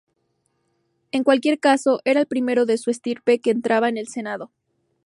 En cualquier caso era el primero de su estirpe que entraba en el Senado.